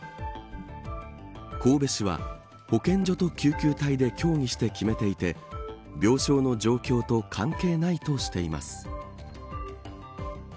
神戸市は保健所と救急隊で協議して決めていて病床の状況と関係ないとしています。